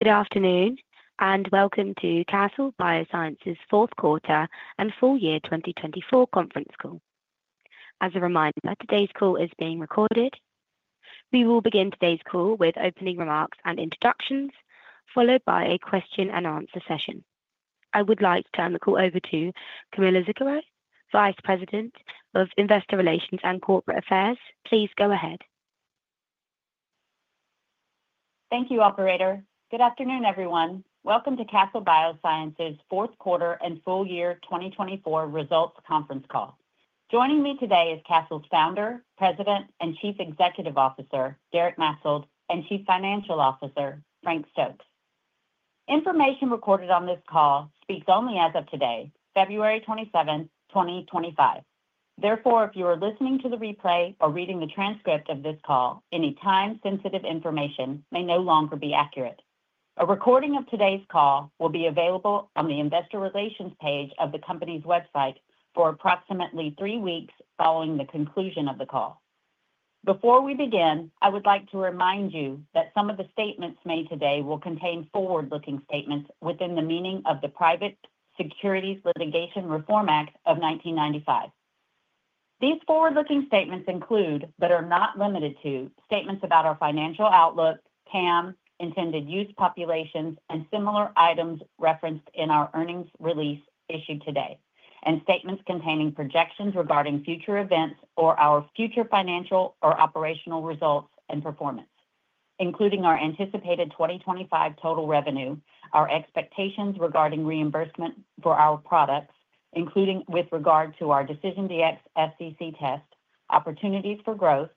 Good afternoon and welcome to Castle Biosciences' fourth quarter and full year 2024 conference call. As a reminder, today's call is being recorded. We will begin today's call with opening remarks and introductions, followed by a question-and-answer session. I would like to turn the call over to Camilla Zuckero, Vice President of Investor Relations and Corporate Affairs. Please go ahead. Thank you, Operator. Good afternoon, everyone. Welcome to Castle Biosciences' fourth quarter and full year 2024 results conference call. Joining me today is Castle's Founder, President, and Chief Executive Officer, Derek Maetzold, and Chief Financial Officer, Frank Stokes. Information recorded on this call speaks only as of today, February 27, 2025. Therefore, if you are listening to the replay or reading the transcript of this call, any time-sensitive information may no longer be accurate. A recording of today's call will be available on the investor relations page of the company's website for approximately three weeks following the conclusion of the call. Before we begin, I would like to remind you that some of the statements made today will contain forward-looking statements within the meaning of the Private Securities Litigation Reform Act of 1995. These forward-looking statements include, but are not limited to, statements about our financial outlook, PAM, intended use populations, and similar items referenced in our earnings release issued today, and statements containing projections regarding future events or our future financial or operational results and performance, including our anticipated 2025 total revenue, our expectations regarding reimbursement for our products, including with regard to our decision to ex FCC test, opportunities for growth,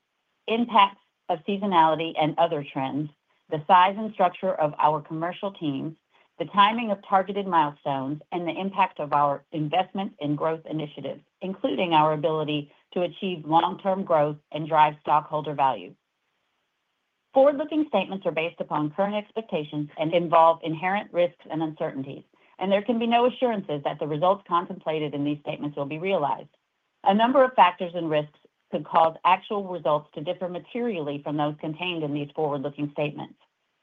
impacts of seasonality and other trends, the size and structure of our commercial teams, the timing of targeted milestones, and the impact of our investment and growth initiatives, including our ability to achieve long-term growth and drive stockholder value. Forward-looking statements are based upon current expectations and involve inherent risks and uncertainties, and there can be no assurances that the results contemplated in these statements will be realized. A number of factors and risks could cause actual results to differ materially from those contained in these forward-looking statements.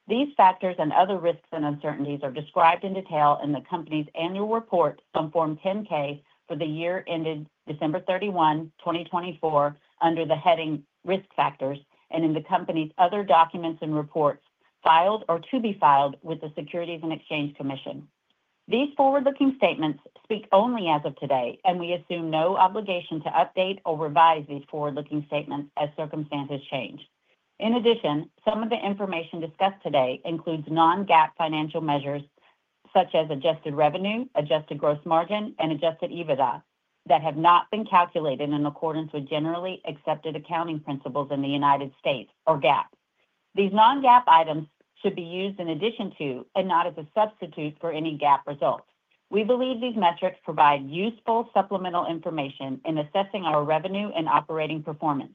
These factors and other risks and uncertainties are described in detail in the company's annual report, Form 10-K, for the year ended December 31, 2024, under the heading Risk Factors, and in the company's other documents and reports filed or to be filed with the Securities and Exchange Commission. These forward-looking statements speak only as of today, and we assume no obligation to update or revise these forward-looking statements as circumstances change. In addition, some of the information discussed today includes non-GAAP financial measures such as adjusted revenue, adjusted gross margin, and adjusted EBITDA that have not been calculated in accordance with generally accepted accounting principles in the United States or GAAP. These non-GAAP items should be used in addition to and not as a substitute for any GAAP results. We believe these metrics provide useful supplemental information in assessing our revenue and operating performance.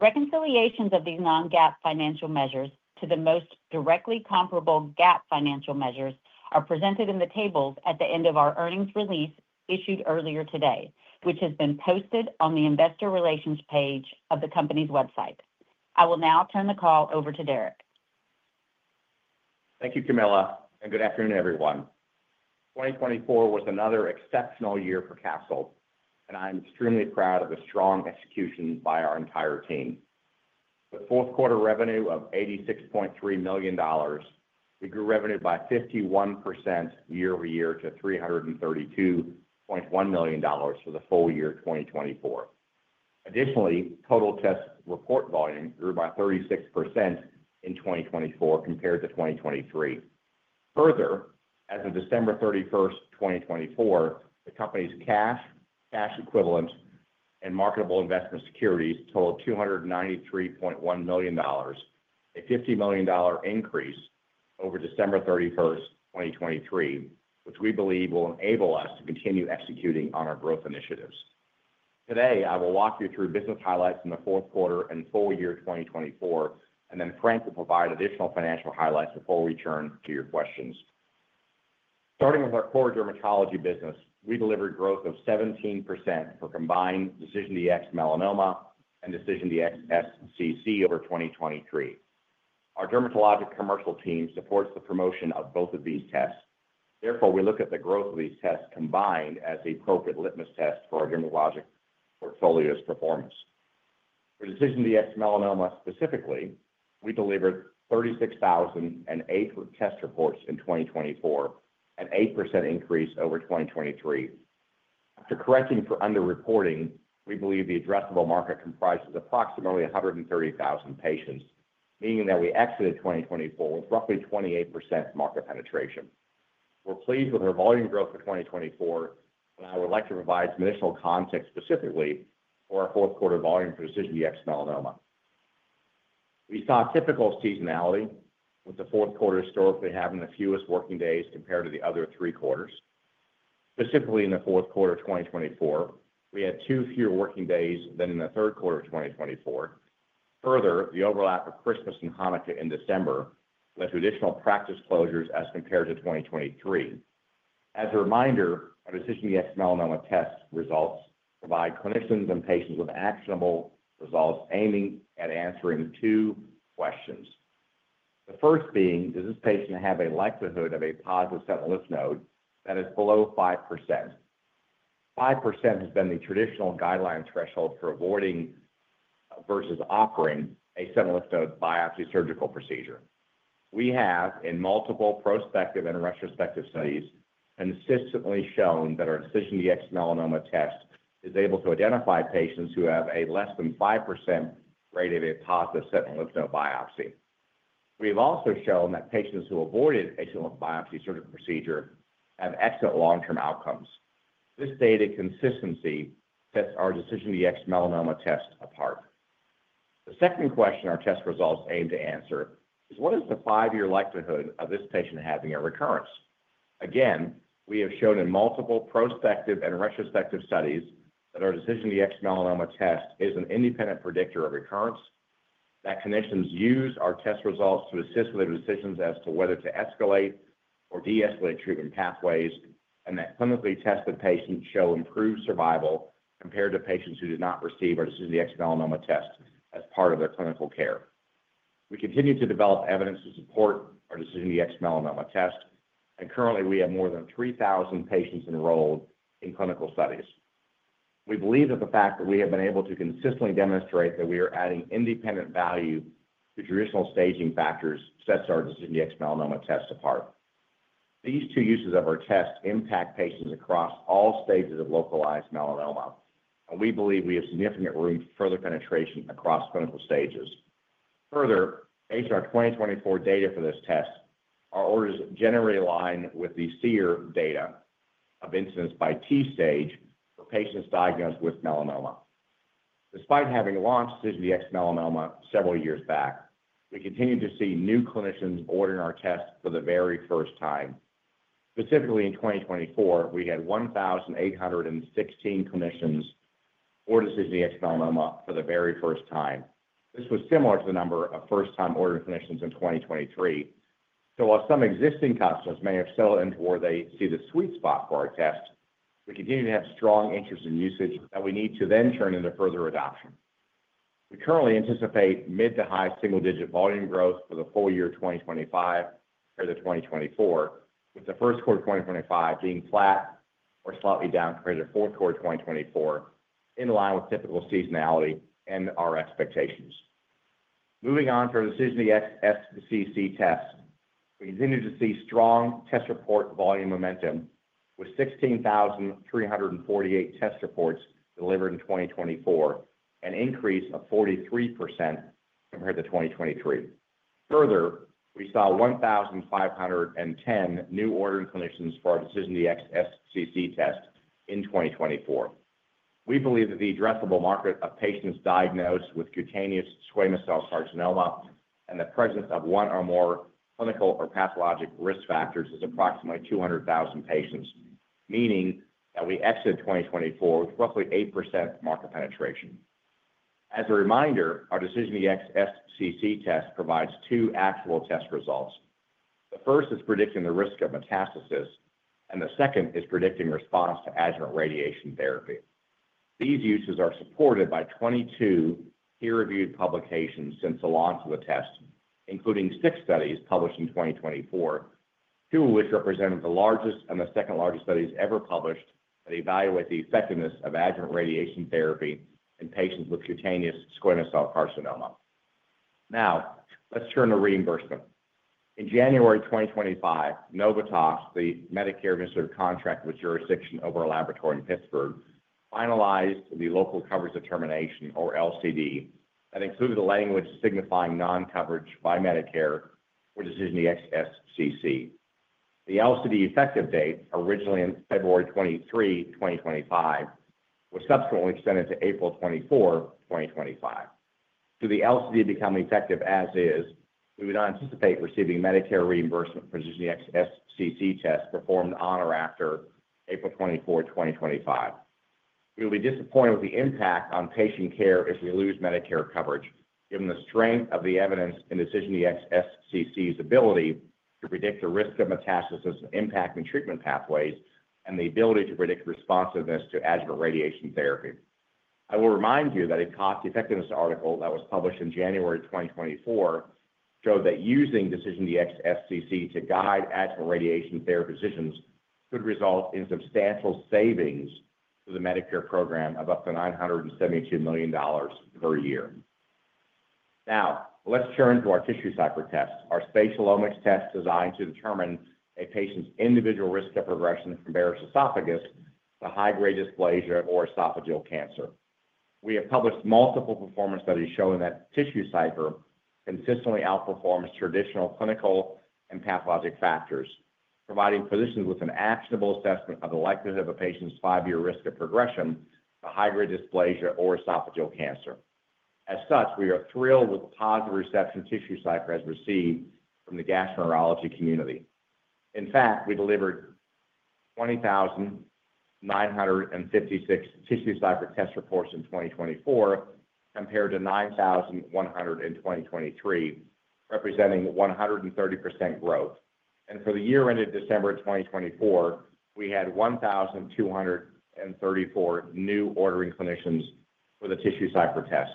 Reconciliations of these non-GAAP financial measures to the most directly comparable GAAP financial measures are presented in the tables at the end of our earnings release issued earlier today, which has been posted on the investor relations page of the company's website. I will now turn the call over to Derek. Thank you, Camilla, and good afternoon, everyone. 2024 was another exceptional year for Castle, and I'm extremely proud of the strong execution by our entire team. With fourth quarter revenue of $86.3 million, we grew revenue by 51% year over year to $332.1 million for the full year 2024. Additionally, total test report volume grew by 36% in 2024 compared to 2023. Further, as of December 31st, 2024, the company's cash, cash equivalent, and marketable investment securities totaled $293.1 million, a $50 million increase over December 31st, 2023, which we believe will enable us to continue executing on our growth initiatives. Today, I will walk you through business highlights in the fourth quarter and full year 2024, and then Frank will provide additional financial highlights before we turn to your questions. Starting with our core dermatology business, we delivered growth of 17% for combined DecisionDx-Melanoma and DecisionDx-SCC over 2023. Our dermatologic commercial team supports the promotion of both of these tests. Therefore, we look at the growth of these tests combined as the appropriate litmus test for our dermatologic portfolio's performance. For DecisionDx-Melanoma specifically, we delivered 36,008 test reports in 2024, an 8% increase over 2023. After correcting for underreporting, we believe the addressable market comprises approximately 130,000 patients, meaning that we exited 2024 with roughly 28% market penetration. We're pleased with our volume growth for 2024, and I would like to provide some additional context specifically for our fourth quarter volume for DecisionDx-Melanoma. We saw typical seasonality, with the fourth quarter historically having the fewest working days compared to the other three quarters. Specifically, in the fourth quarter of 2024, we had two fewer working days than in the third quarter of 2024. Further, the overlap of Christmas and Hanukkah in December led to additional practice closures as compared to 2023. As a reminder, our DecisionDx-Melanoma test results provide clinicians and patients with actionable results aiming at answering two questions. The first being, does this patient have a likelihood of a positive sentinel lymph node that is below 5%? 5% has been the traditional guideline threshold for avoiding versus offering a sentinel lymph node biopsy surgical procedure. We have, in multiple prospective and retrospective studies, consistently shown that our DecisionDx-Melanoma test is able to identify patients who have a less than 5% rate of a positive sentinel lymph node biopsy. We have also shown that patients who avoided a sentinel lymph node biopsy surgical procedure have excellent long-term outcomes. This data consistency sets our DecisionDx-Melanoma test apart. The second question our test results aim to answer is, what is the five-year likelihood of this patient having a recurrence? Again, we have shown in multiple prospective and retrospective studies that our DecisionDx-Melanoma test is an independent predictor of recurrence, that clinicians use our test results to assist with their decisions as to whether to escalate or de-escalate treatment pathways, and that clinically tested patients show improved survival compared to patients who did not receive our DecisionDx-Melanoma test as part of their clinical care. We continue to develop evidence to support our DecisionDx-Melanoma test, and currently, we have more than 3,000 patients enrolled in clinical studies. We believe that the fact that we have been able to consistently demonstrate that we are adding independent value to traditional staging factors sets our DecisionDx-Melanoma test apart. These two uses of our test impact patients across all stages of localized melanoma, and we believe we have significant room for further penetration across clinical stages. Further, based on our 2024 data for this test, our orders generally align with the CIR data of incidence by T stage for patients diagnosed with melanoma. Despite having launched DecisionDx-Melanoma several years back, we continue to see new clinicians ordering our test for the very first time. Specifically, in 2024, we had 1,816 clinicians order DecisionDx-Melanoma for the very first time. This was similar to the number of first-time ordering clinicians in 2023. While some existing customers may have settled into where they see the sweet spot for our test, we continue to have strong interest in usage that we need to then turn into further adoption. We currently anticipate mid to high single-digit volume growth for the full year 2025 compared to 2024, with the first quarter of 2025 being flat or slightly down compared to the fourth quarter of 2024, in line with typical seasonality and our expectations. Moving on to our DecisionDx-SCC test, we continue to see strong test report volume momentum with 16,348 test reports delivered in 2024, an increase of 43% compared to 2023. Further, we saw 1,510 new ordering clinicians for our DecisionDx-SCC test in 2024. We believe that the addressable market of patients diagnosed with cutaneous squamous cell carcinoma and the presence of one or more clinical or pathologic risk factors is approximately 200,000 patients, meaning that we exited 2024 with roughly 8% market penetration. As a reminder, our DecisionDx-SCC test provides two actual test results. The first is predicting the risk of metastasis, and the second is predicting response to adjuvant radiation therapy. These uses are supported by 22 peer-reviewed publications since the launch of the test, including six studies published in 2024, two of which represented the largest and the second-largest studies ever published that evaluate the effectiveness of adjuvant radiation therapy in patients with cutaneous squamous cell carcinoma. Now, let's turn to reimbursement. In January 2025, Novitas, the Medicare administrative contractor with jurisdiction over a laboratory in Pittsburgh, finalized the Local Coverage Determination, or LCD, that included language signifying non-coverage by Medicare for DecisionDx-SCC. The LCD effective date, originally in February 23, 2025, was subsequently extended to April 24, 2025. Should the LCD become effective as is, we would not anticipate receiving Medicare reimbursement for DecisionDx-SCC tests performed on or after April 24, 2025. We will be disappointed with the impact on patient care if we lose Medicare coverage, given the strength of the evidence in DecisionDx-SCC's ability to predict the risk of metastasis and impacting treatment pathways, and the ability to predict responsiveness to adjuvant radiation therapy. I will remind you that a cost-effectiveness article that was published in January 2024 showed that using DecisionDx-SCC to guide adjuvant radiation therapy decisions could result in substantial savings to the Medicare program of up to $972 million per year. Now, let's turn to our TissueCypher test, our spatial omics test designed to determine a patient's individual risk of progression from Barrett's esophagus to high-grade dysplasia or esophageal cancer. We have published multiple performance studies showing that TissueCypher consistently outperforms traditional clinical and pathologic factors, providing physicians with an actionable assessment of the likelihood of a patient's five-year risk of progression to high-grade dysplasia or esophageal cancer. As such, we are thrilled with the positive reception TissueCypher has received from the gastroenterology community. In fact, we delivered 20,956 TissueCypher test reports in 2024 compared to 9,100 in 2023, representing 130% growth. For the year ended December 2024, we had 1,234 new ordering clinicians for the TissueCypher test.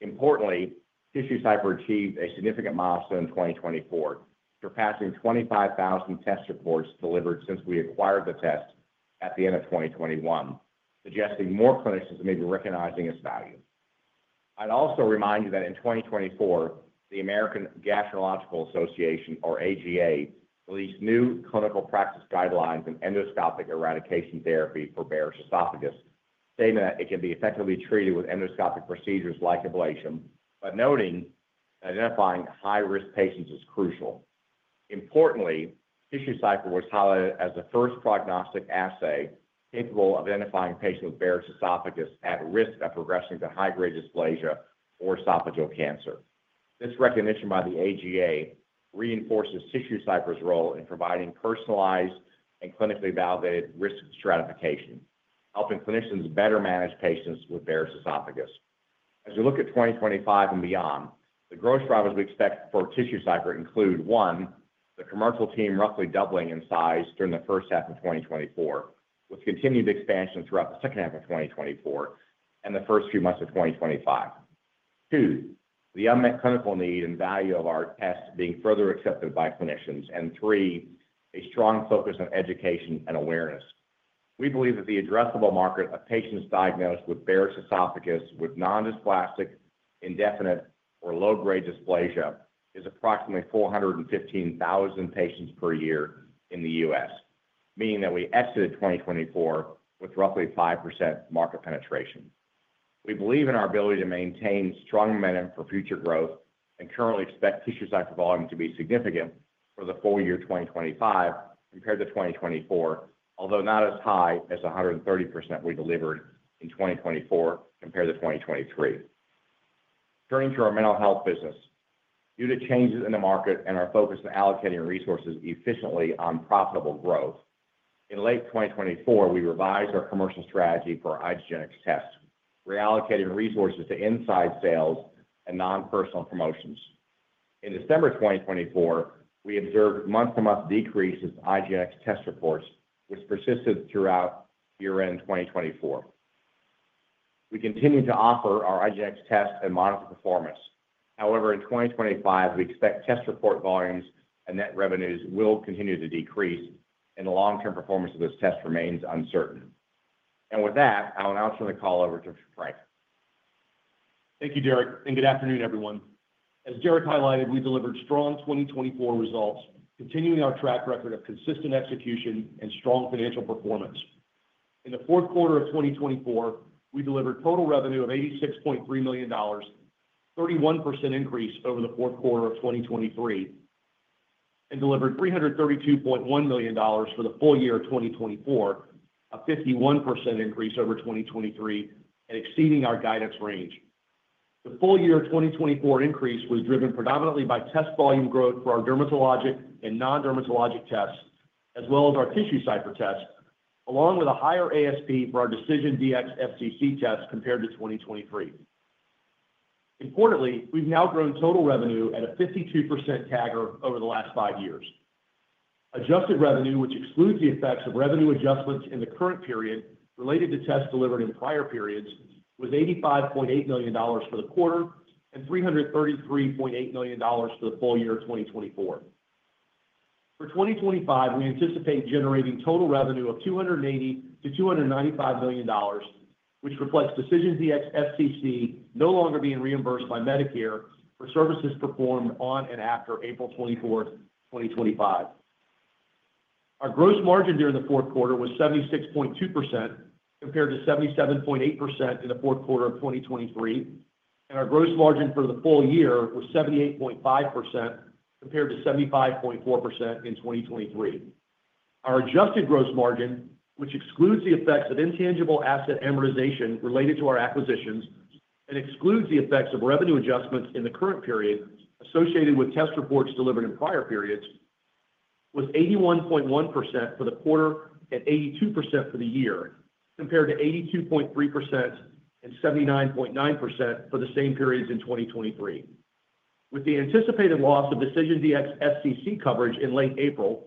Importantly, TissueCypher achieved a significant milestone in 2024, surpassing 25,000 test reports delivered since we acquired the test at the end of 2021, suggesting more clinicians may be recognizing its value. I would also remind you that in 2024, the American Gastroenterological Association, or AGA, released new clinical practice guidelines in endoscopic eradication therapy for Barrett's esophagus, stating that it can be effectively treated with endoscopic procedures like ablation, but noting that identifying high-risk patients is crucial. Importantly, TissueCypher was highlighted as the first prognostic assay capable of identifying a patient with Barrett's esophagus at risk of progressing to high-grade dysplasia or esophageal cancer. This recognition by the AGA reinforces TissueCypher's role in providing personalized and clinically validated risk stratification, helping clinicians better manage patients with Barrett's esophagus. As we look at 2025 and beyond, the growth drivers we expect for TissueCypher include, one, the commercial team roughly doubling in size during the first half of 2024, with continued expansion throughout the second half of 2024 and the first few months of 2025. Two, the unmet clinical need and value of our test being further accepted by clinicians. Three, a strong focus on education and awareness. We believe that the addressable market of patients diagnosed with Barrett's esophagus with non-dysplastic, indefinite, or low-grade dysplasia is approximately 415,000 patients per year in the U.S., meaning that we exited 2024 with roughly 5% market penetration. We believe in our ability to maintain strong momentum for future growth and currently expect TissueCypher volume to be significant for the full year 2025 compared to 2024, although not as high as the 130% we delivered in 2024 compared to 2023. Turning to our mental health business, due to changes in the market and our focus on allocating resources efficiently on profitable growth, in late 2024, we revised our commercial strategy for iGenX tests, reallocating resources to inside sales and non-personal promotions. In December 2024, we observed month-to-month decreases in iGenX test reports, which persisted throughout year-end 2024. We continue to offer our iGenX test and monitor performance. However, in 2025, we expect test report volumes and net revenues will continue to decrease and the long-term performance of this test remains uncertain. With that, I'll now turn the call over to Frank. Thank you, Derek, and good afternoon, everyone. As Derek highlighted, we delivered strong 2024 results, continuing our track record of consistent execution and strong financial performance. In the fourth quarter of 2024, we delivered total revenue of $86.3 million, a 31% increase over the fourth quarter of 2023, and delivered $332.1 million for the full year of 2024, a 51% increase over 2023, and exceeding our guidance range. The full year 2024 increase was driven predominantly by test volume growth for our dermatologic and non-dermatologic tests, as well as our TissueCypher tests, along with a higher ASP for our DecisionDx-SCC test compared to 2023. Importantly, we've now grown total revenue at a 52% CAGR over the last five years. Adjusted revenue, which excludes the effects of revenue adjustments in the current period related to tests delivered in prior periods, was $85.8 million for the quarter and $333.8 million for the full year 2024. For 2025, we anticipate generating total revenue of $280-$295 million, which reflects DecisionDx-SCC no longer being reimbursed by Medicare for services performed on and after April 24, 2025. Our gross margin during the fourth quarter was 76.2% compared to 77.8% in the fourth quarter of 2023, and our gross margin for the full year was 78.5% compared to 75.4% in 2023. Our adjusted gross margin, which excludes the effects of intangible asset amortization related to our acquisitions and excludes the effects of revenue adjustments in the current period associated with test reports delivered in prior periods, was 81.1% for the quarter and 82% for the year, compared to 82.3% and 79.9% for the same periods in 2023. With the anticipated loss of DecisionDx-SCC coverage in late April,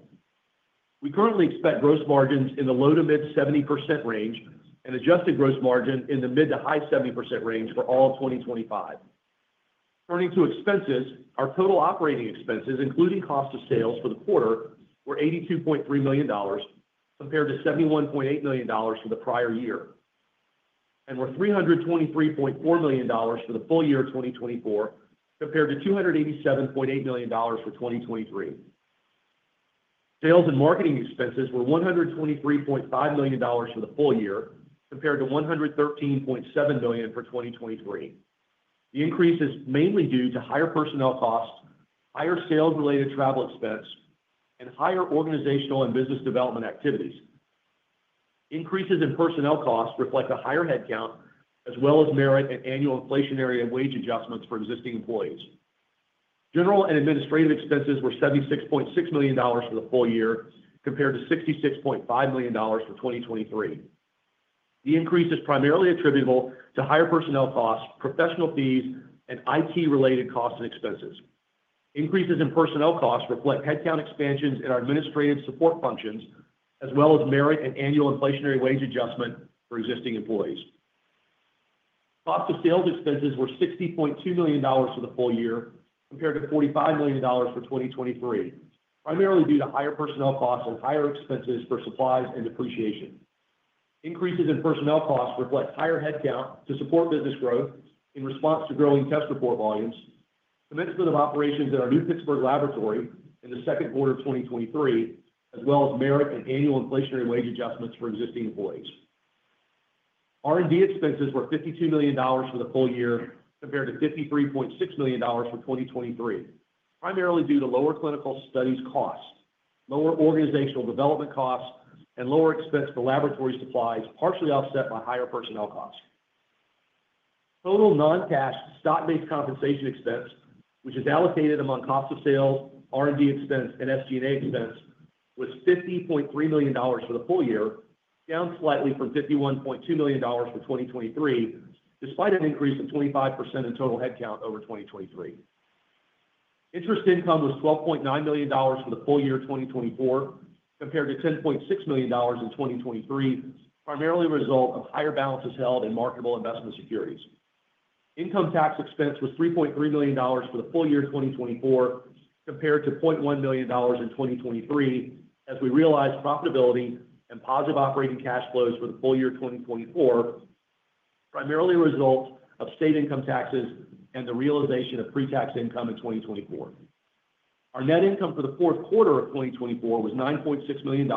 we currently expect gross margins in the low to mid 70% range and adjusted gross margin in the mid to high 70% range for all of 2025. Turning to expenses, our total operating expenses, including cost of sales for the quarter, were $82.3 million compared to $71.8 million for the prior year, and were $323.4 million for the full year 2024 compared to $287.8 million for 2023. Sales and marketing expenses were $123.5 million for the full year compared to $113.7 million for 2023. The increase is mainly due to higher personnel costs, higher sales-related travel expense, and higher organizational and business development activities. Increases in personnel costs reflect a higher headcount, as well as merit and annual inflationary and wage adjustments for existing employees. General and administrative expenses were $76.6 million for the full year compared to $66.5 million for 2023. The increase is primarily attributable to higher personnel costs, professional fees, and IT-related costs and expenses. Increases in personnel costs reflect headcount expansions in our administrative support functions, as well as merit and annual inflationary wage adjustment for existing employees. Cost of sales expenses were $60.2 million for the full year compared to $45 million for 2023, primarily due to higher personnel costs and higher expenses for supplies and depreciation. Increases in personnel costs reflect higher headcount to support business growth in response to growing test report volumes, commencement of operations at our new Pittsburgh laboratory in the second quarter of 2023, as well as merit and annual inflationary wage adjustments for existing employees. R&D expenses were $52 million for the full year compared to $53.6 million for 2023, primarily due to lower clinical studies costs, lower organizational development costs, and lower expense for laboratory supplies, partially offset by higher personnel costs. Total non-cash stock-based compensation expense, which is allocated among cost of sales, R&D expense, and SG&A expense, was $50.3 million for the full year, down slightly from $51.2 million for 2023, despite an increase of 25% in total headcount over 2023. Interest income was $12.9 million for the full year 2024, compared to $10.6 million in 2023, primarily a result of higher balances held in marketable investment securities. Income tax expense was $3.3 million for the full year 2024, compared to $0.1 million in 2023, as we realized profitability and positive operating cash flows for the full year 2024 primarily as a result of state income taxes and the realization of pre-tax income in 2024. Our net income for the fourth quarter of 2024 was $9.6 million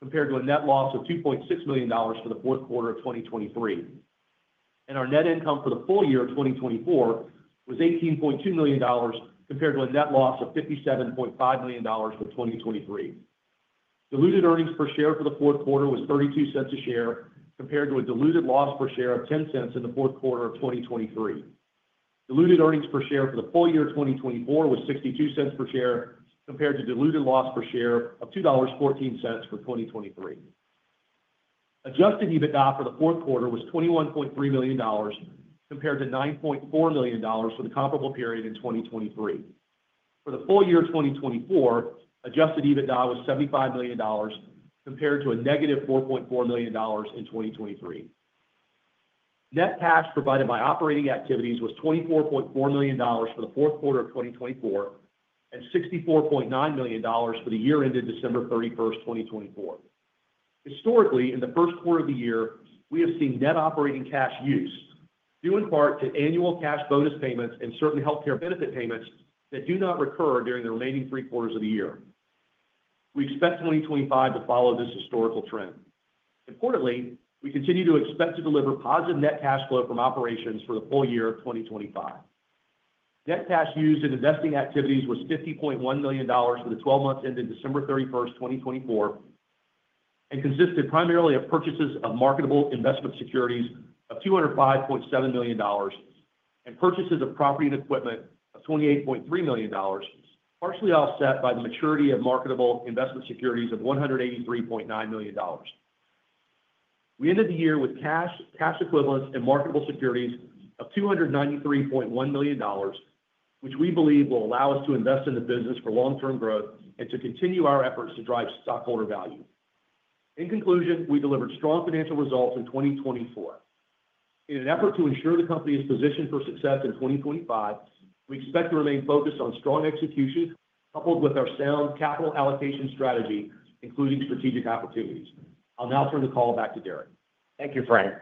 compared to a net loss of $2.6 million for the fourth quarter of 2023. Our net income for the full year of 2024 was $18.2 million compared to a net loss of $57.5 million for 2023. Diluted earnings per share for the fourth quarter was $0.32 a share compared to a diluted loss per share of $0.10 in the fourth quarter of 2023. Diluted earnings per share for the full year 2024 was $0.62 per share compared to diluted loss per share of $2.14 for 2023. Adjusted EBITDA for the fourth quarter was $21.3 million compared to $9.4 million for the comparable period in 2023. For the full year 2024, adjusted EBITDA was $75 million compared to a negative $4.4 million in 2023. Net cash provided by operating activities was $24.4 million for the fourth quarter of 2024 and $64.9 million for the year ended December 31st, 2024. Historically, in the first quarter of the year, we have seen net operating cash use, due in part to annual cash bonus payments and certain healthcare benefit payments that do not recur during the remaining three quarters of the year. We expect 2025 to follow this historical trend. Importantly, we continue to expect to deliver positive net cash flow from operations for the full year of 2025. Net cash used in investing activities was $50.1 million for the 12 months ended December 31st, 2024, and consisted primarily of purchases of marketable investment securities of $205.7 million and purchases of property and equipment of $28.3 million, partially offset by the maturity of marketable investment securities of $183.9 million. We ended the year with cash, cash equivalents, and marketable securities of $293.1 million, which we believe will allow us to invest in the business for long-term growth and to continue our efforts to drive stockholder value. In conclusion, we delivered strong financial results in 2024. In an effort to ensure the company is positioned for success in 2025, we expect to remain focused on strong execution coupled with our sound capital allocation strategy, including strategic opportunities. I'll now turn the call back to Derek. Thank you, Frank.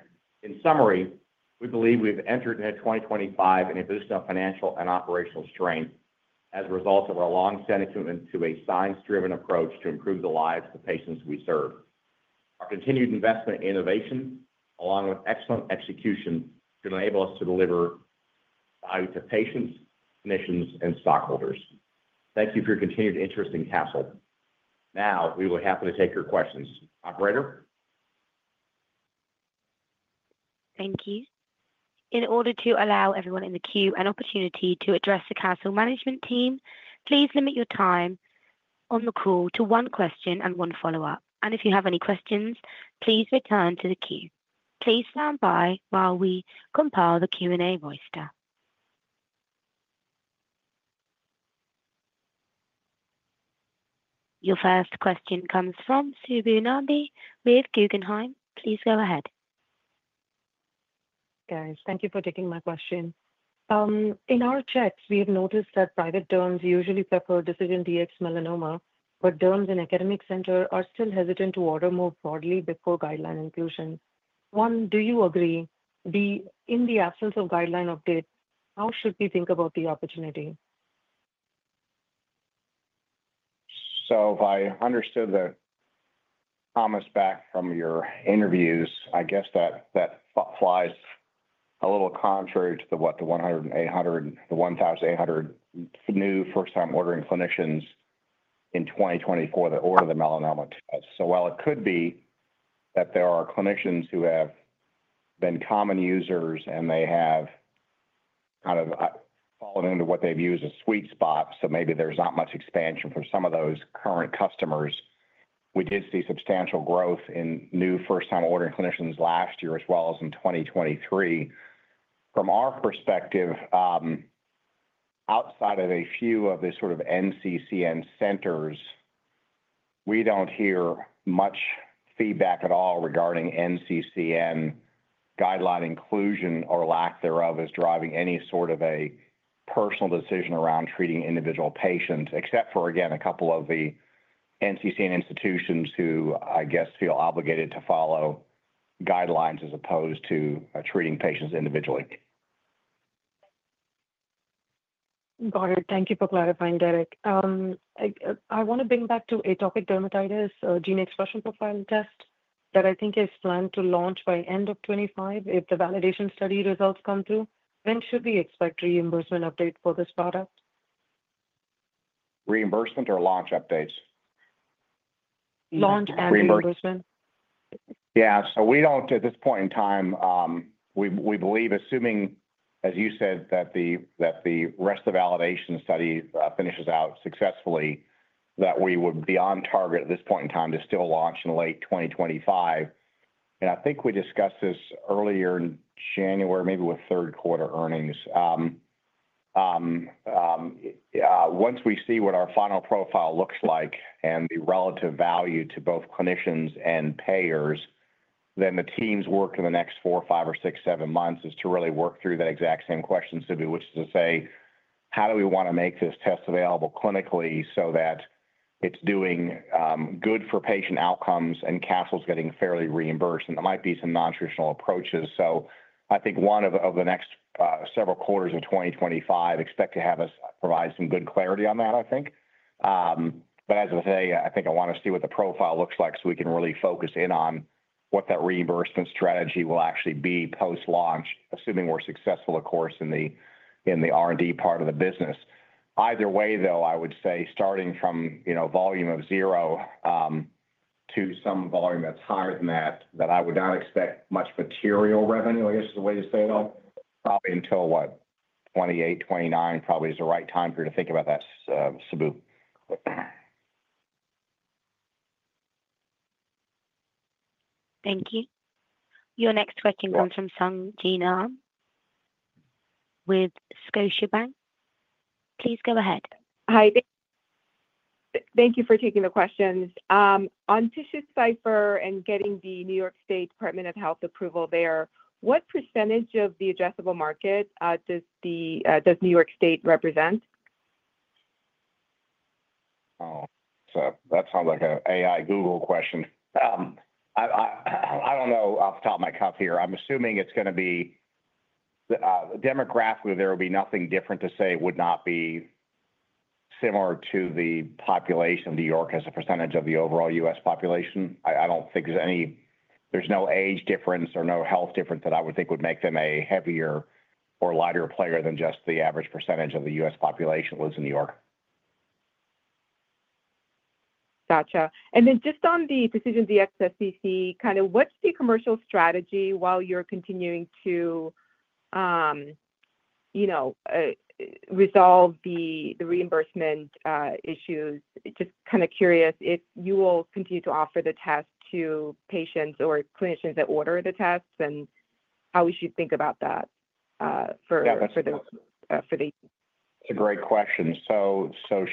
In summary, we believe we've entered into 2025 in a boost of financial and operational strength as a result of our long-standing commitment to a science-driven approach to improve the lives of the patients we serve. Our continued investment in innovation, along with excellent execution, should enable us to deliver value to patients, clinicians, and stockholders. Thank you for your continued interest in Castle. Now, we will be happy to take your questions. Operator? Thank you. In order to allow everyone in the queue an opportunity to address the Castle Management Team, please limit your time on the call to one question and one follow-up. If you have any questions, please return to the queue. Please stand by while we compile the Q&A roster. Your first question comes from Subu Nambi with Guggenheim. Please go ahead. Guys, thank you for taking my question. In our checks, we have noticed that private derms usually prefer DecisionDx-Melanoma, but derms in academic centers are still hesitant to order more broadly before guideline inclusion. One, do you agree? In the absence of guideline update, how should we think about the opportunity? If I understood the comments back from your interviews, I guess that flies a little contrary to what the 1,800, the 1,800 new first-time ordering clinicians in 2024 that order the melanoma test. While it could be that there are clinicians who have been common users and they have kind of fallen into what they've used as sweet spots, so maybe there's not much expansion for some of those current customers, we did see substantial growth in new first-time ordering clinicians last year as well as in 2023. From our perspective, outside of a few of the sort of NCCN centers, we do not hear much feedback at all regarding NCCN guideline inclusion or lack thereof as driving any sort of a personal decision around treating individual patients, except for, again, a couple of the NCCN institutions who, I guess, feel obligated to follow guidelines as opposed to treating patients individually. Got it. Thank you for clarifying, Derek. I want to bring back to atopic dermatitis gene expression profile test that I think is planned to launch by end of 2025 if the validation study results come through. When should we expect reimbursement update for this product? Reimbursement or launch updates? Launch and reimbursement. Yeah. We do not, at this point in time, we believe, assuming, as you said, that the rest of the validation study finishes out successfully, that we would be on target at this point in time to still launch in late 2025. I think we discussed this earlier in January, maybe with third quarter earnings. Once we see what our final profile looks like and the relative value to both clinicians and payers, then the team's work in the next four, five, or six, seven months is to really work through that exact same question, Subbu, which is to say, how do we want to make this test available clinically so that it is doing good for patient outcomes and Castle is getting fairly reimbursed? There might be some non-traditional approaches. I think one of the next several quarters of 2025, expect to have us provide some good clarity on that, I think. As of today, I want to see what the profile looks like so we can really focus in on what that reimbursement strategy will actually be post-launch, assuming we're successful, of course, in the R&D part of the business. Either way, though, I would say, starting from volume of zero to some volume that's higher than that, I would not expect much material revenue, I guess is the way to say it all, probably until, what, 2028, 2029 probably is the right time for you to think about that, Subbu. Thank you. Your next question comes from Sung Jin with Scotiabank. Please go ahead. Hi. Thank you for taking the questions. On TissueCypher and getting the New York State Department of Health approval there, what percentage of the addressable market does New York State represent? Oh, that sounds like an AI Google question. I don't know off the top of my cup here. I'm assuming it's going to be demographically, there would be nothing different to say would not be similar to the population of New York as a percentage of the overall U.S. population. I don't think there's any, there's no age difference or no health difference that I would think would make them a heavier or lighter player than just the average percentage of the U.S. population lives in New York. Gotcha. And then just on the Precision DxSCC, kind of what's the commercial strategy while you're continuing to resolve the reimbursement issues? Just kind of curious if you will continue to offer the test to patients or clinicians that order the tests and how we should think about that for the. It's a great question.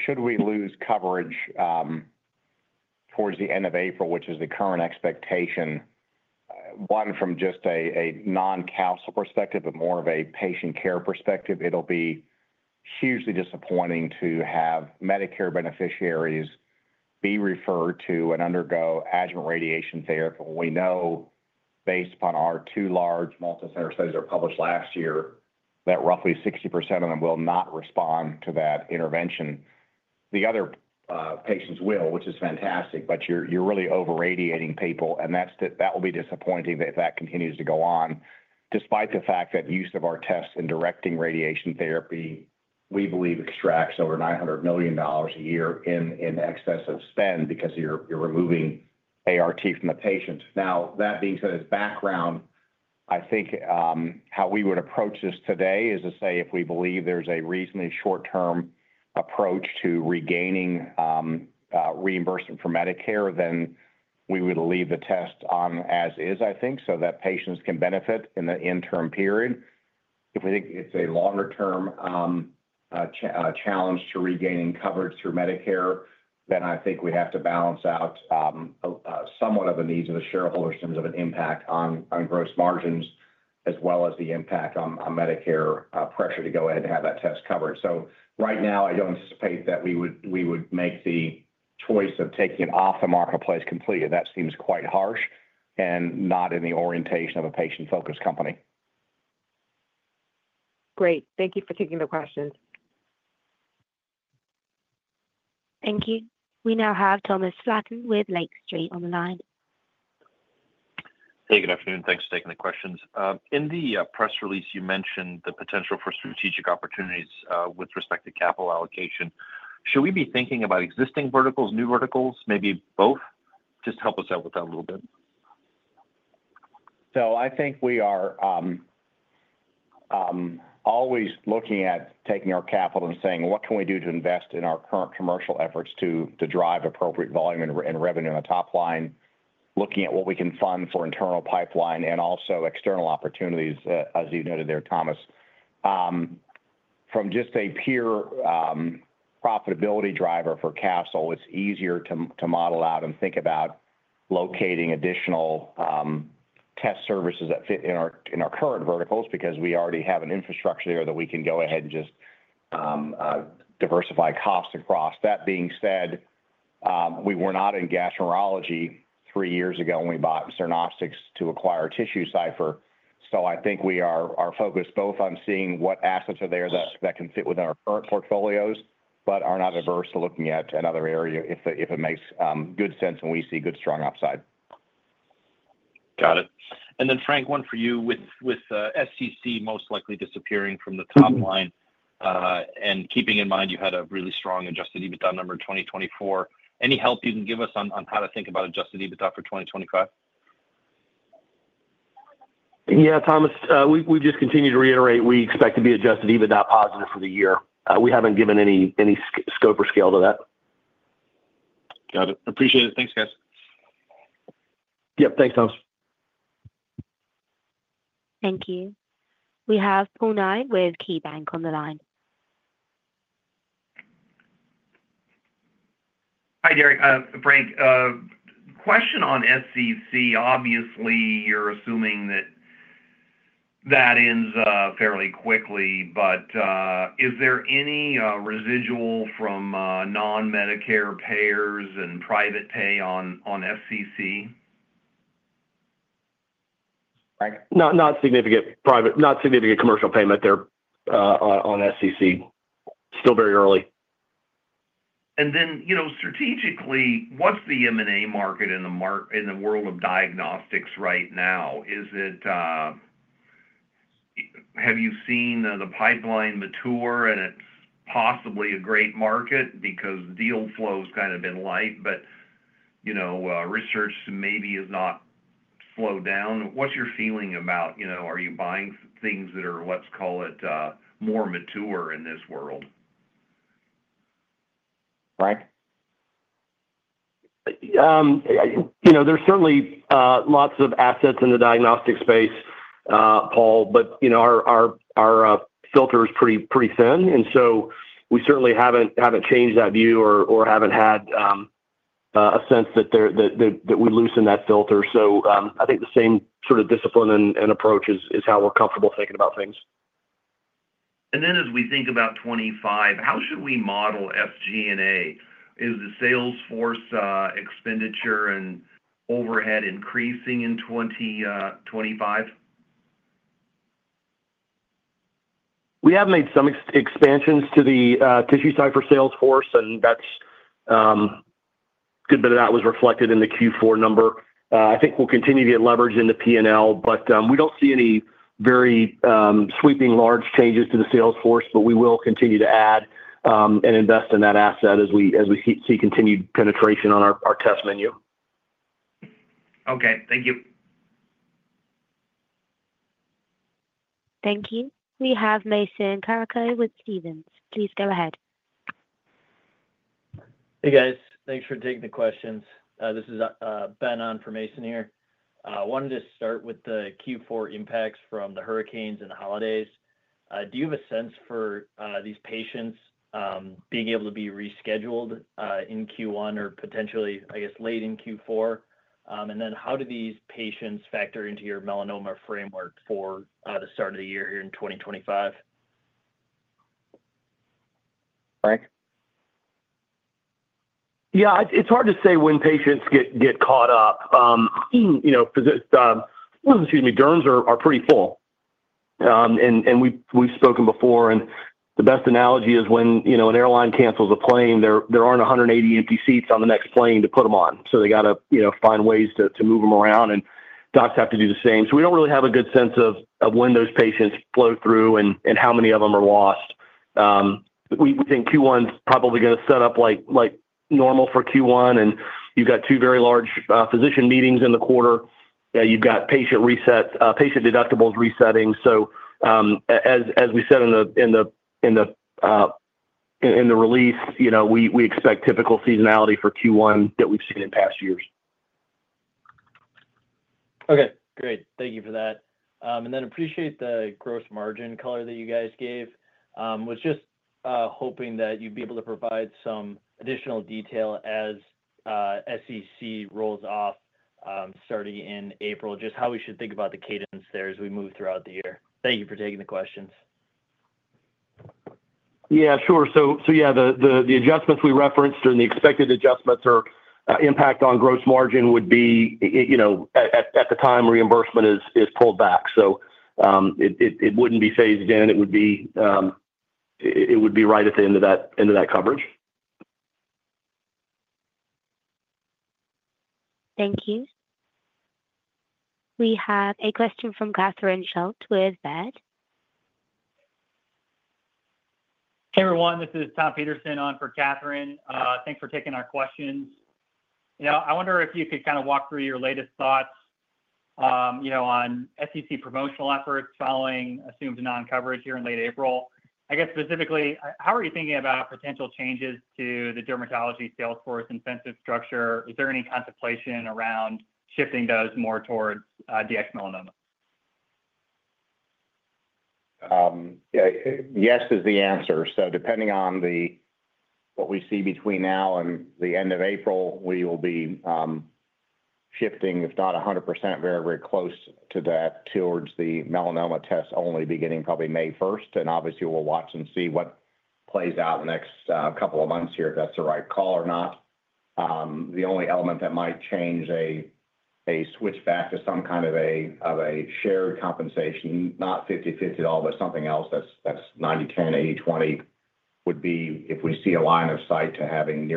Should we lose coverage towards the end of April, which is the current expectation, one, from just a non-Castle perspective, but more of a patient care perspective, it'll be hugely disappointing to have Medicare beneficiaries be referred to and undergo adjuvant radiation therapy. We know, based upon our two large multicenter studies that were published last year, that roughly 60% of them will not respond to that intervention. The other patients will, which is fantastic, but you're really over-radiating people. That will be disappointing if that continues to go on. Despite the fact that use of our tests in directing radiation therapy, we believe, extracts over $900 million a year in excess of spend because you're removing ART from the patient. Now, that being said as background, I think how we would approach this today is to say if we believe there's a reasonably short-term approach to regaining reimbursement for Medicare, then we would leave the test on as is, I think, so that patients can benefit in the interim period. If we think it's a longer-term challenge to regaining coverage through Medicare, then I think we have to balance out somewhat of a need to the shareholders in terms of an impact on gross margins as well as the impact on Medicare pressure to go ahead and have that test covered. Right now, I don't anticipate that we would make the choice of taking it off the marketplace completely. That seems quite harsh and not in the orientation of a patient-focused company. Great. Thank you for taking the questions. Thank you. We now have Thomas Flaten with Lake Street on the line. Hey, good afternoon. Thanks for taking the questions. In the press release, you mentioned the potential for strategic opportunities with respect to capital allocation. Should we be thinking about existing verticals, new verticals, maybe both? Just help us out with that a little bit. I think we are always looking at taking our capital and saying, "What can we do to invest in our current commercial efforts to drive appropriate volume and revenue on the top line?" Looking at what we can fund for internal pipeline and also external opportunities, as you noted there, Thomas. From just a pure profitability driver for Castle, it's easier to model out and think about locating additional test services that fit in our current verticals because we already have an infrastructure there that we can go ahead and just diversify costs across. That being said, we were not in gastroenterology three years ago when we bought Synostics to acquire TissueCypher. I think we are focused both on seeing what assets are there that can fit within our current portfolios, but are not averse to looking at another area if it makes good sense and we see good strong upside. Got it. Frank, one for you with SCC most likely disappearing from the top line. Keeping in mind you had a really strong adjusted EBITDA number in 2024, any help you can give us on how to think about adjusted EBITDA for 2025? Yeah, Thomas, we just continue to reiterate we expect to be adjusted EBITDA positive for the year. We haven't given any scope or scale to that. Got it. Appreciate it. Thanks, guys. Yep. Thanks, Thomas. Thank you. We have Punai with KeyBank on the line. Hi, Derek. Frank, question on SCC. Obviously, you're assuming that ends fairly quickly, but is there any residual from non-Medicare payers and private pay on SCC? Not significant commercial payment there on SCC. Still very early. Strategically, what's the M&A market in the world of diagnostics right now? Have you seen the pipeline mature and it's possibly a great market because deal flow has kind of been light, but research maybe has not slowed down? What's your feeling about are you buying things that are, let's call it, more mature in this world? Frank? There's certainly lots of assets in the diagnostic space, Paul, but our filter is pretty thin. We certainly haven't changed that view or haven't had a sense that we loosened that filter. I think the same sort of discipline and approach is how we're comfortable thinking about things. As we think about 2025, how should we model SG&A? Is the sales force expenditure and overhead increasing in 2025? We have made some expansions to the TissueCypher sales force, and that's good. That was reflected in the Q4 number. I think we'll continue to get leverage in the P&L, but we don't see any very sweeping large changes to the sales force, but we will continue to add and invest in that asset as we see continued penetration on our test menu. Okay. Thank you. Thank you. We have Mason Carico with Stephens. Please go ahead. Hey, guys. Thanks for taking the questions. This is Ben on for Mason here. I wanted to start with the Q4 impacts from the hurricanes and the holidays. Do you have a sense for these patients being able to be rescheduled in Q1 or potentially, I guess, late in Q4? How do these patients factor into your melanoma framework for the start of the year here in 2025? Frank? Yeah. It's hard to say when patients get caught up. Excuse me. Derms are pretty full. We've spoken before, and the best analogy is when an airline cancels a plane, there aren't 180 empty seats on the next plane to put them on. They have to find ways to move them around, and docs have to do the same. We do not really have a good sense of when those patients flow through and how many of them are lost. We think Q1 is probably going to set up like normal for Q1, and you have two very large physician meetings in the quarter. You have patient deductibles resetting. As we said in the release, we expect typical seasonality for Q1 that we have seen in past years. Okay. Great. Thank you for that. I appreciate the gross margin color that you gave. I was just hoping that you would be able to provide some additional detail as SCC rolls off starting in April, just how we should think about the cadence there as we move throughout the year. Thank you for taking the questions. Yeah, sure. Yeah, the adjustments we referenced and the expected adjustments or impact on gross margin would be at the time reimbursement is pulled back. It would not be phased in. It would be right at the end of that coverage. Thank you. We have a question from Catherine Schultz with Vet. Hey, everyone. This is Tom Peterson on for Catherine. Thanks for taking our questions. I wonder if you could kind of walk through your latest thoughts on SCC promotional efforts following assumed non-coverage here in late April. I guess specifically, how are you thinking about potential changes to the dermatology sales force incentive structure? Is there any contemplation around shifting those more towards DX melanoma? Yeah. Yes is the answer. Depending on what we see between now and the end of April, we will be shifting, if not 100%, very, very close to that towards the melanoma test only beginning probably May 1st. Obviously, we'll watch and see what plays out in the next couple of months here if that's the right call or not. The only element that might change a switchback to some kind of a shared compensation, not 50/50 at all, but something else that's 90/10, 80/20 would be if we see a line of sight to having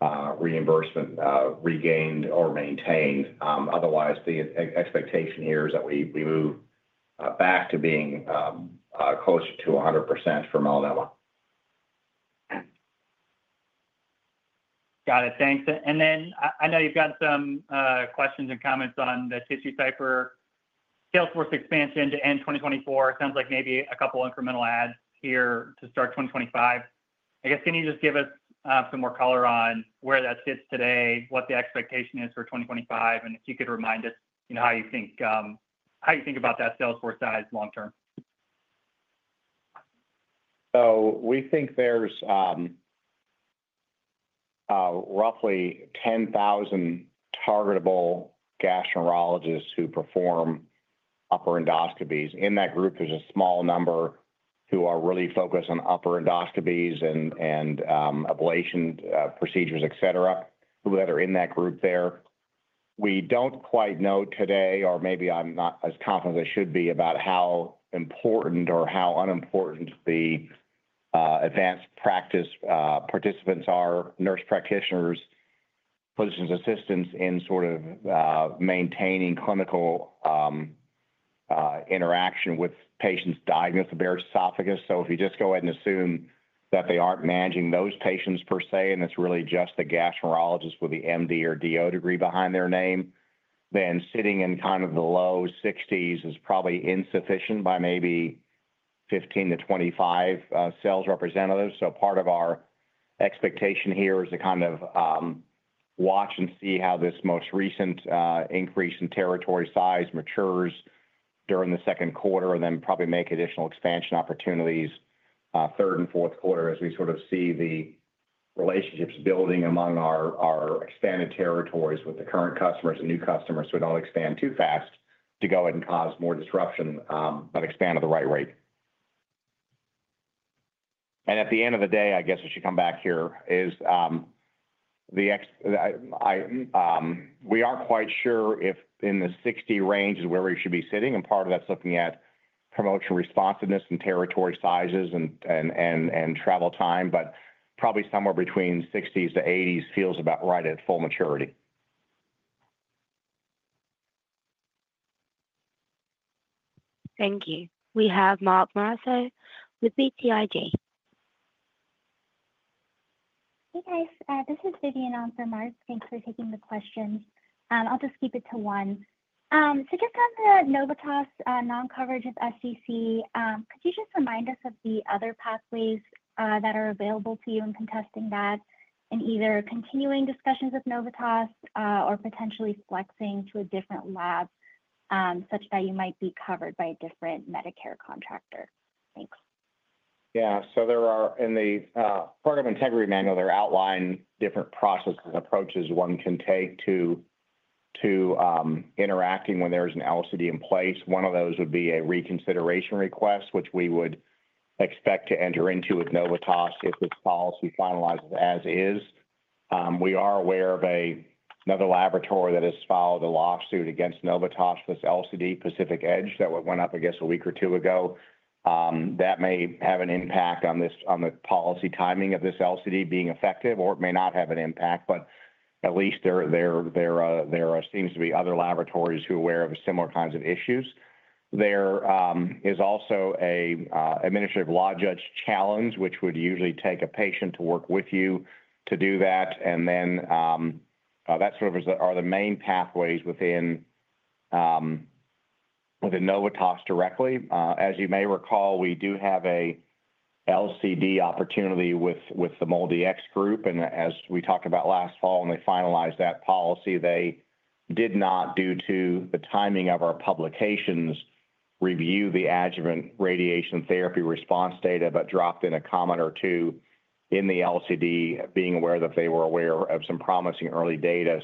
near-term reimbursement regained or maintained. Otherwise, the expectation here is that we move back to being closer to 100% for melanoma. Got it. Thanks. I know you've got some questions and comments on the TissueCypher sales force expansion to end 2024. It sounds like maybe a couple of incremental adds here to start 2025. I guess can you just give us some more color on where that sits today, what the expectation is for 2025, and if you could remind us how you think about that sales force size long-term? We think there's roughly 10,000 targetable gastroenterologists who perform upper endoscopies. In that group, there's a small number who are really focused on upper endoscopies and ablation procedures, etc., who are in that group there. We don't quite know today, or maybe I'm not as confident as I should be about how important or how unimportant the advanced practice participants are, nurse practitioners, physician's assistants in sort of maintaining clinical interaction with patients diagnosed with Barrett's esophagus. If you just go ahead and assume that they aren't managing those patients per se, and it's really just the gastroenterologist with the MD or DO degree behind their name, then sitting in kind of the low 60s is probably insufficient by maybe 15-25 sales representatives. Part of our expectation here is to kind of watch and see how this most recent increase in territory size matures during the second quarter and then probably make additional expansion opportunities third and fourth quarter as we sort of see the relationships building among our expanded territories with the current customers and new customers who don't expand too fast to go ahead and cause more disruption, but expand at the right rate. At the end of the day, I guess we should come back here is the we aren't quite sure if in the 60 range is where we should be sitting. Part of that's looking at promotion responsiveness and territory sizes and travel time, but probably somewhere between 60s-80s feels about right at full maturity. Thank you. We have Maetz Morrissey with BTIG. Hey, guys. This is Vidyun on for Mark. Thanks for taking the questions. I'll just keep it to one. Just on the Novitas non-coverage of SCC, could you just remind us of the other pathways that are available to you in contesting that in either continuing discussions with Novitas or potentially flexing to a different lab such that you might be covered by a different Medicare contractor? Thanks. Yeah. In the program integrity manual, there are outlined different processes and approaches one can take to interacting when there is an LCD in place. One of those would be a reconsideration request, which we would expect to enter into with Novitas if this policy finalizes as is. We are aware of another laboratory that has filed a lawsuit against Novitas for this LCD, Pacific Edge, that went up against a week or two ago. That may have an impact on the policy timing of this LCD being effective, or it may not have an impact, but at least there seems to be other laboratories who are aware of similar kinds of issues. There is also an administrative law judge challenge, which would usually take a patient to work with you to do that. That sort of are the main pathways within Novitas directly. As you may recall, we do have an LCD opportunity with the MOLDI-X group. As we talked about last fall, when they finalized that policy, they did not, due to the timing of our publications, review the adjuvant radiation therapy response data, but dropped in a comment or two in the LCD being aware that they were aware of some promising early data.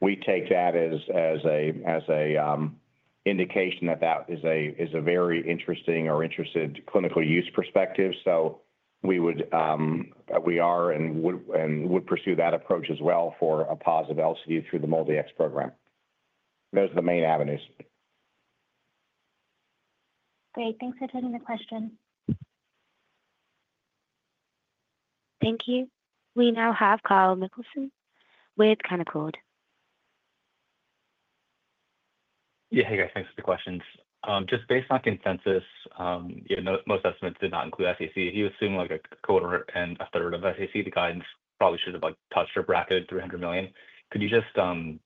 We take that as an indication that that is a very interesting or interested clinical use perspective. We are and would pursue that approach as well for a positive LCD through the MOLDI-X program. Those are the main avenues. Great. Thanks for taking the question. Thank you. We now have Kyle Mickelson with CaniCode. Yeah. Hey, guys. Thanks for the questions. Just based on consensus, most estimates did not include SCC. If you assume a quarter and a third of SCC, the guidance probably should have touched a bracket of $300 million. Could you just—and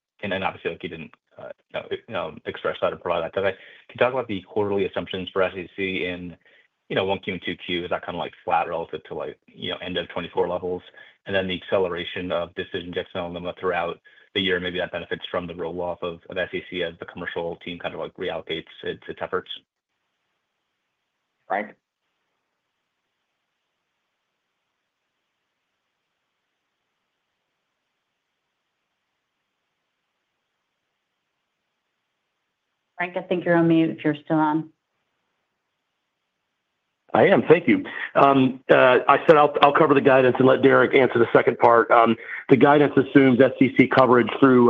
obviously, you didn't express that or provide that today—can you talk about the quarterly assumptions for SCC in 1Q and 2Q? Is that kind of flat relative to end of 2024 levels? Then the acceleration of DecisionDx-Melanoma throughout the year, maybe that benefits from the roll-off of SCC as the commercial team kind of reallocates its efforts. Frank? Frank, I think you're on mute if you're still on. I am. Thank you. I said I'll cover the guidance and let Derek answer the second part. The guidance assumes SCC coverage through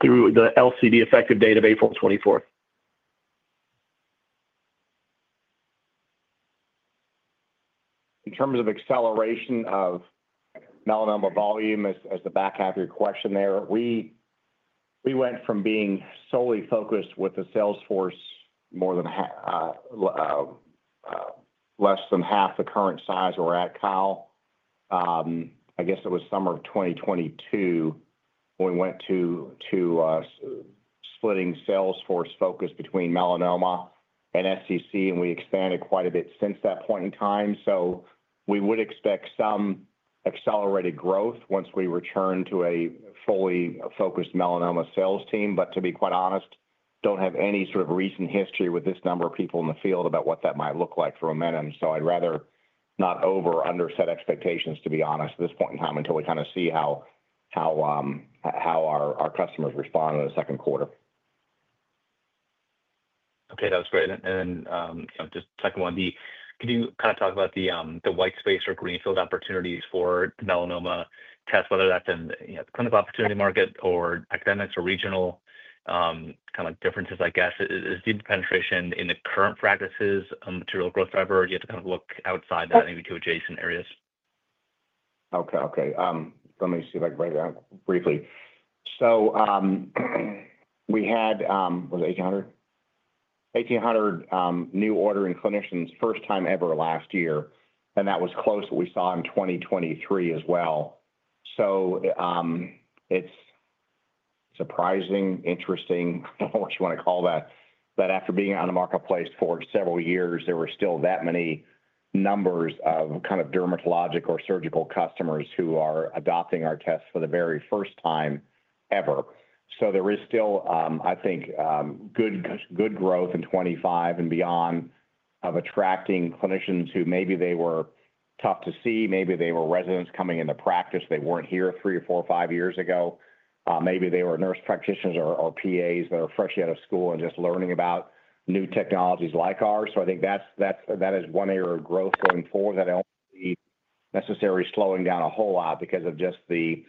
the LCD effective date of April 24th. In terms of acceleration of melanoma volume, as the back half of your question there, we went from being solely focused with the sales force more than less than half the current size we're at, Kyle. I guess it was summer of 2022 when we went to splitting sales force focus between melanoma and SCC, and we expanded quite a bit since that point in time. We would expect some accelerated growth once we return to a fully focused melanoma sales team. To be quite honest, I don't have any sort of recent history with this number of people in the field about what that might look like for momentum. I would rather not over or underset expectations, to be honest, at this point in time until we kind of see how our customers respond in the second quarter. Okay. That was great. The second one, could you kind of talk about the white space or greenfield opportunities for melanoma tests, whether that's in the clinical opportunity market or academics or regional kind of differences, I guess? Is the penetration in the current practices a material growth driver, or do you have to kind of look outside that and maybe to adjacent areas? Okay. Let me see if I can break it down briefly. We had—was it 1,800? 1,800 new ordering clinicians, first time ever last year. That was close to what we saw in 2023 as well. It is surprising, interesting, what you want to call that, that after being on the marketplace for several years, there were still that many numbers of kind of dermatologic or surgical customers who are adopting our tests for the very first time ever. There is still, I think, good growth in 2025 and beyond of attracting clinicians who maybe they were tough to see, maybe they were residents coming into practice; they were not here three or four or five years ago. Maybe they were nurse practitioners or PAs that are fresh out of school and just learning about new technologies like ours. I think that is one area of growth going forward that I do not see necessarily slowing down a whole lot because of just the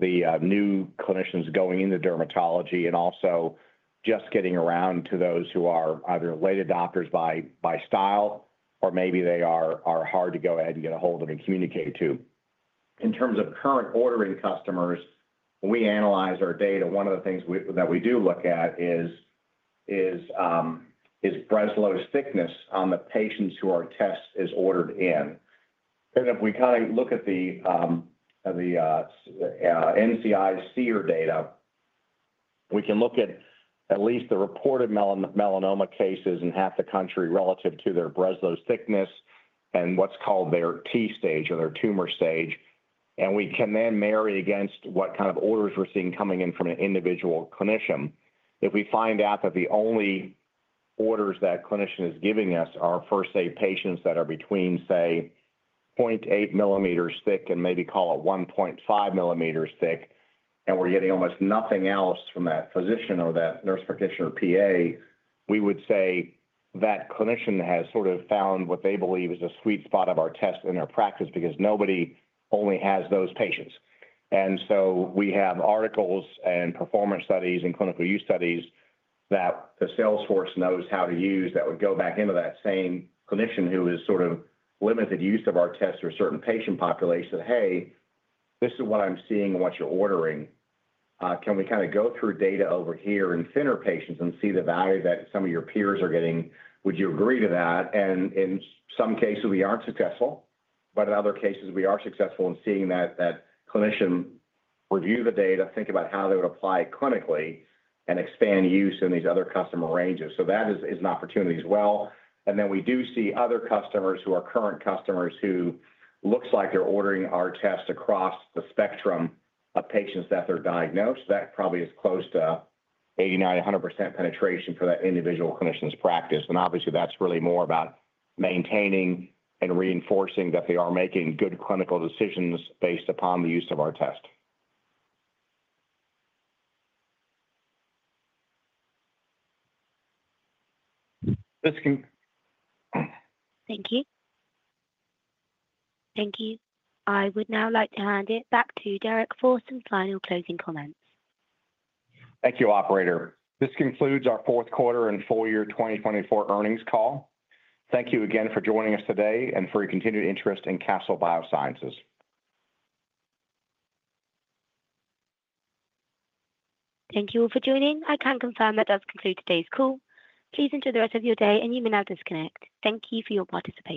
new clinicians going into dermatology and also just getting around to those who are either late adopters by style or maybe they are hard to go ahead and get a hold of and communicate to. In terms of current ordering customers, when we analyze our data, one of the things that we do look at is Breslow's thickness on the patients who our test is ordered in. If we kind of look at the NCI CER data, we can look at at least the reported melanoma cases in half the country relative to their Breslow's thickness and what's called their T stage or their tumor stage. We can then marry against what kind of orders we're seeing coming in from an individual clinician. If we find out that the only orders that clinician is giving us are first-aid patients that are between, say, 0.8 mm thick and maybe call it 1.5 mm thick, and we're getting almost nothing else from that physician or that nurse practitioner or PA, we would say that clinician has sort of found what they believe is a sweet spot of our test in our practice because nobody only has those patients. We have articles and performance studies and clinical use studies that the sales force knows how to use that would go back into that same clinician who has sort of limited use of our tests for a certain patient population that, "Hey, this is what I'm seeing and what you're ordering. Can we kind of go through data over here in thinner patients and see the value that some of your peers are getting? Would you agree to that?" In some cases, we aren't successful, but in other cases, we are successful in seeing that clinician review the data, think about how they would apply it clinically, and expand use in these other customer ranges. That is an opportunity as well. We do see other customers who are current customers who look like they're ordering our test across the spectrum of patients that they're diagnosed. That probably is close to 89-100% penetration for that individual clinician's practice. Obviously, that's really more about maintaining and reinforcing that they are making good clinical decisions based upon the use of our test. Thank you. Thank you. I would now like to hand it back to Derek for some final closing comments. Thank you, operator. This concludes our fourth quarter and full year 2024 earnings call. Thank you again for joining us today and for your continued interest in Castle Biosciences. Thank you all for joining. I can confirm that does conclude today's call. Please enjoy the rest of your day, and you may now disconnect. Thank you for your participation.